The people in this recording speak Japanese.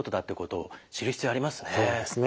そうですね。